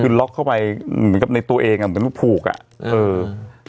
คือล็อกเข้าไปเหมือนกับในตัวเองอ่ะเหมือนว่าผูกอ่ะเออ